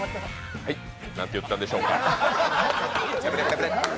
何と言ったんでしょうか。